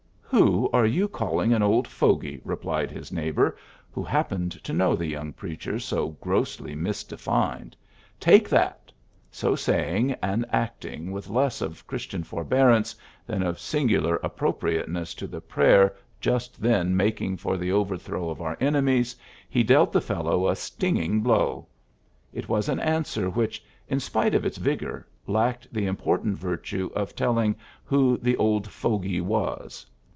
'^^^ Who are you calling an old fogy ?^' replied his neighbor, who happened to know the young preacher so grossly mis defined. ^^ Take that." So saying, and 4 PHILLIPS BROOKS acting with less of Christian forbearance than of singular appropriateness to the prayer just then making for the over throw of our enemies, he dealt the fel low a stinging blow. It was an answer which, in spite of its vigor, lacked the important virtue of teUing who the ''old fogy" was.